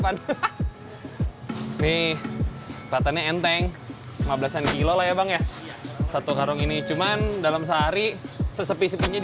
nih katanya enteng lima belas kilo ya bang ya satu karung ini cuman dalam sehari sesepisipunnya